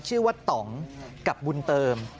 ชื่อว่าต่องกับบุญเติม